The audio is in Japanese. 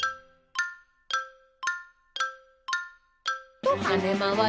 「とはねまわります」